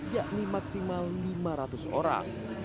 yakni maksimal lima ratus orang